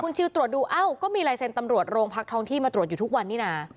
ชิลตรวจดูเอ้าก็มีลายเซ็นต์ตำรวจโรงพักทองที่มาตรวจอยู่ทุกวันนี้นะ